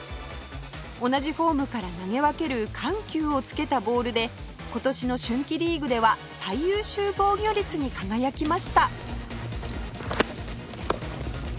同じフォームから投げ分ける緩急をつけたボールで今年の春季リーグでは最優秀防御率に輝きました